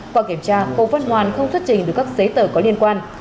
qua kiểm tra hồ văn hoàn không xuất trình được các giấy tờ có liên quan